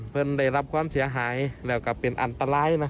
ได้รับความเสียหายแล้วก็เป็นอันตราย